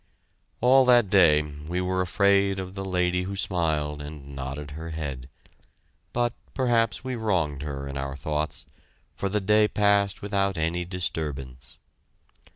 All that day we were afraid of the lady who smiled and nodded her head, but perhaps we wronged her in our thoughts, for the day passed without any disturbance.